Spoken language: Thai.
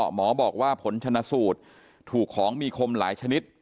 หมอบอกว่าผลชนะสูตรถูกของมีคมหลายชนิด